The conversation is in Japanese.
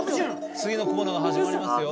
次のコーナーが始まりますよ。